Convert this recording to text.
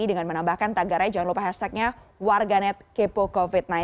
dengan menambahkan tagarannya jangan lupa hashtagnya warganetkepo covid sembilan belas